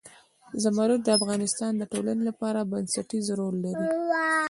زمرد د افغانستان د ټولنې لپاره بنسټيز رول لري.